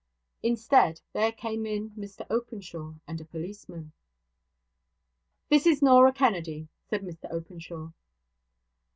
Instead, there came in Mr Openshaw and a policeman. 'This is Norah Kennedy,' said Mr Openshaw.